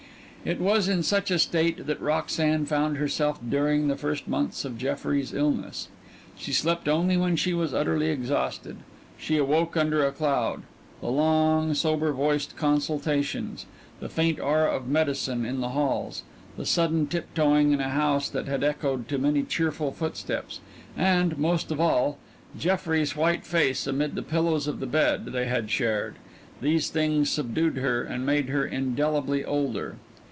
It was in such a state that Roxanne found herself during the first months of Jeffrey's illness. She slept only when she was utterly exhausted; she awoke under a cloud. The long, sober voiced consultations, the faint aura of medicine in the halls, the sudden tiptoeing in a house that had echoed to many cheerful footsteps, and, most of all, Jeffrey's white face amid the pillows of the bed they had shared these things subdued her and made her indelibly older.